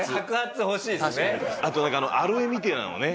あとアロエみてえなのをね。